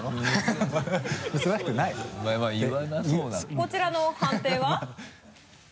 こちらの判定は？